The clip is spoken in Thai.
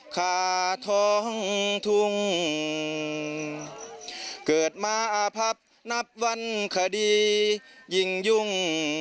ค่าท้องทุ่งเกิดมาอาพับนับวันคดียิ่งยุ่ง